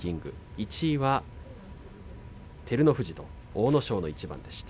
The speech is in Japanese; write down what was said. １位は照ノ富士と阿武咲の一番でした。